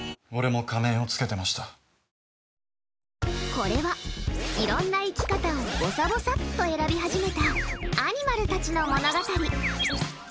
これは、いろんな生き方をぼさぼさっと選び始めたアニマルたちの物語。